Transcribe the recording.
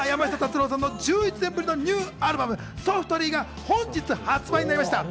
山下達郎さんの１１年ぶりのニューアルバム『ＳＯＦＴＬＹ』が本日発売になりました。